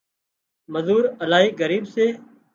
مزور الاهي ڳريٻ سي